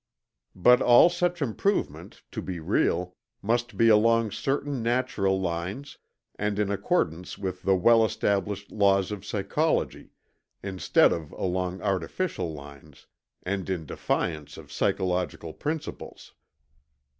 But all such improvement, to be real, must be along certain natural lines and in accordance with the well established laws of psychology, instead of along artificial lines and in defiance of psychological principles.